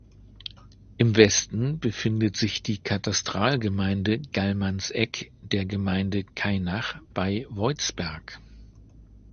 Im Westen befindet sich die Katastralgemeinde Gallmannsegg der Gemeinde Kainach bei Voitsberg.